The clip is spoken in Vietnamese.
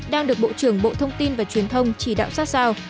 đang được bộ trưởng bộ thông tin và truyền thông chỉ đạo sát sao